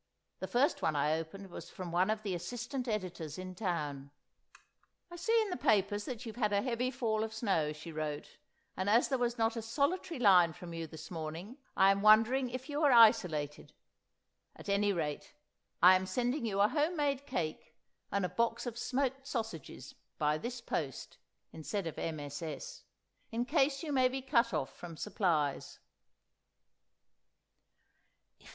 The first one I opened was from one of the Assistant Editors in town. "I see in the papers that you've had a heavy fall of snow," she wrote, "and as there was not a solitary line from you this morning, I'm wondering if you are isolated? At any rate, I'm sending you a home made cake and a box of smoked sausages by this post (instead of MSS.) in case you may be cut off from supplies."